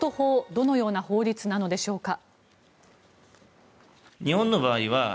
どのような法律なのでしょうか。